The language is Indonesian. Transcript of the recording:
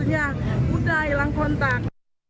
ya udah hilang kontak